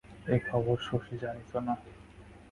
এ খবর শশী জানিত না।